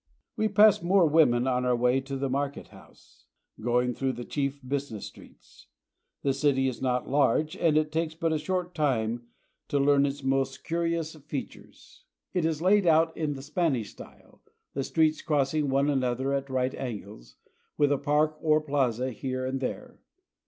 We pass more women on our way to the market house, going through the chief busi ness streets. The city is not large, and it takes but a short time to learn its most curious features. It is laid out in the Spanish style, the streets cross ing one another at right angles, with a park or a plaza here and there.